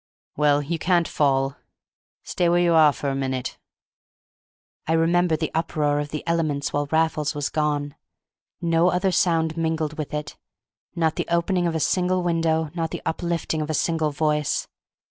Well, you can't fall; stay where you are a minute." I remember the uproar of the elements while Raffles was gone; no other sound mingled with it; not the opening of a single window, not the uplifting of a single voice.